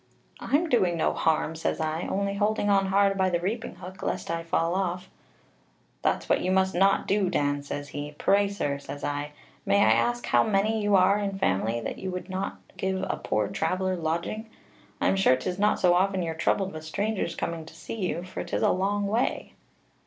'I'm doing no harm,' says I, 'only holding on hard by the reaping hook, lest I fall off.' 'That's what you must not do, Dan,' says he. 'Pray, sir,' says I, 'may I ask how many you are in family, that you would not give a poor traveller lodging: I'm sure 'tis not so often you're troubled with strangers coming to see you, for 'tis a long way.'